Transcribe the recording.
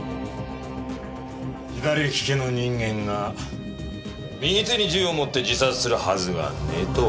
左利きの人間が右手に銃を持って自殺するはずがねえと。